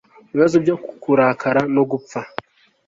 Mubibazo byo kurakara no gupfa